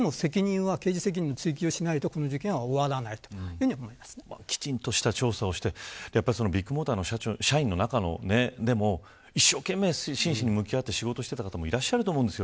しかし、刑事責任の追及はしないと、この事件はきちんとした捜査をしてビッグモーターの社員の中でも真摯に向き合って仕事をしてた方もいると思います。